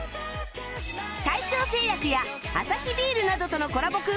大正製薬やアサヒビールなどとのコラボ